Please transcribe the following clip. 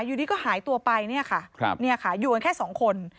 อยู่ดีก็หายตัวไปเนี่ยค่ะอยู่กันแค่สองคน